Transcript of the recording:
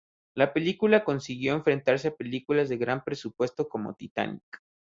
La película consiguió enfrentarse a películas de gran presupuesto como "Titanic".